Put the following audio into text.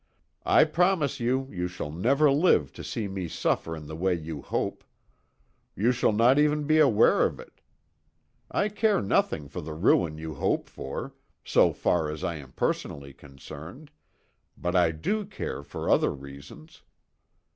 I promise you you shall never live to see me suffer in the way you hope. You shall not even be aware of it. I care nothing for the ruin you hope for, so far as I am personally concerned, but I do care for other reasons.